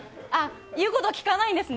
言うことを聞かないんですね